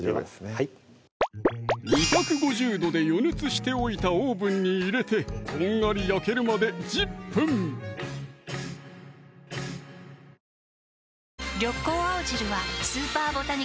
はい２５０℃で予熱しておいたオーブンに入れてこんがり焼けるまで１０分うわ！